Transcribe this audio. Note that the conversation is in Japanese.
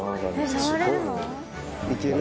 いける？